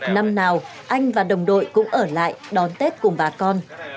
năm nào anh và đồng đội cũng ở lại đón tết cùng bà con